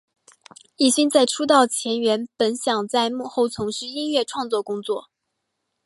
镒勋在出道前原本想在幕后从事音乐创作工作。